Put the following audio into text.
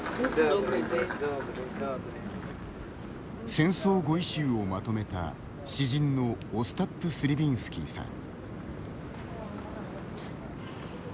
「戦争語彙集」をまとめた詩人のオスタップ・スリヴィンスキーさん。